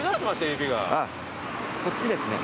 こっちですね。